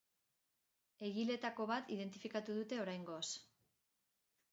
Egileetako bat identifikatu dute oraingoz.